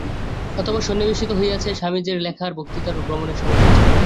অতঃপর সন্নিবেশিত হইয়াছে স্বামীজীর লেখার, বক্তৃতার ও ভ্রমণের সময়সূচী।